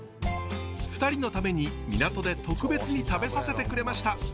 ２人のために港で特別に食べさせてくれました。